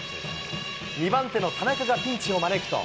２番手の田中がピンチを招くと。